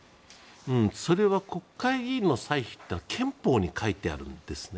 それは国会議員の歳費というのは憲法に書いてあるんですね。